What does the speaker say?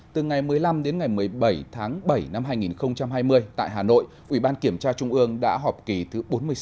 từ ngày một mươi năm đến ngày một mươi bảy tháng bảy năm hai nghìn hai mươi tại hà nội ủy ban kiểm tra trung ương đã họp kỳ thứ bốn mươi sáu